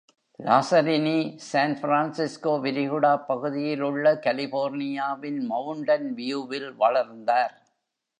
லாசரினி San Francisco விரிகுடா பகுதியில் உள்ள கலிபோர்னியாவின் மவுண்டன் வியூவில் வளர்ந்தார்.